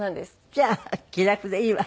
じゃあ気楽でいいわ。